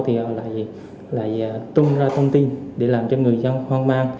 thì họ lại tung ra thông tin để làm cho người dân hoang mang